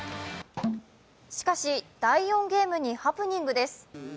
しかし、第４ゲームにハプニングです。